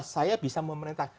saya bisa memerintah